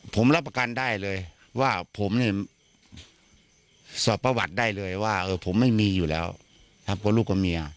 ผมรับประกันได้เลยว่าผมเนี่ยสอบประวัติได้เลยว่าผมไม่มีอยู่แล้วครับกับลูกกับเมีย